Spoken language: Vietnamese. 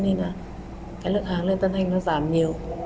nên là cái lượng hàng lên tân thanh nó giảm nhiều